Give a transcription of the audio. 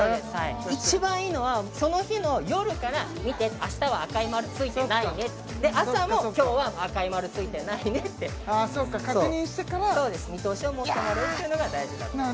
一番いいのはその日の夜から「見てあしたは赤い丸ついてないね」で朝も「今日は赤い丸ついてないね」ってあそうか確認してからそうです見通しを持ってもらうってのが大事かと思います